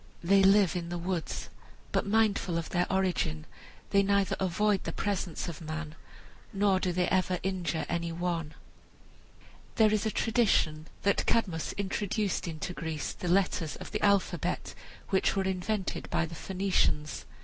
They live in the woods, but mindful of their origin, they neither avoid the presence of man nor do they ever injure any one. There is a tradition that Cadmus introduced into Greece the letters of the alphabet which were invented by the Phoenicians.